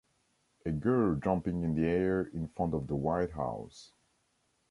A girl jumping in the air in front of the White House.